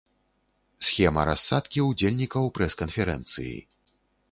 Схема рассадкі ўдзельнікаў прэс-канферэнцыі.